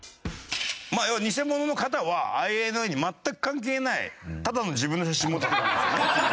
まあ要はニセモノの方はＩＮＩに全く関係ないただの自分の写真持ってきてるって事ですよね。